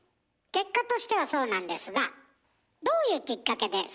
結果としてはそうなんですがどういうきっかけでそうなったんですか？